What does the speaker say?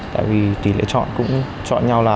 tại vì tỷ lệ chọn cũng chọn nhau là một tám